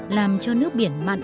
làm cho nước biển mặn hơn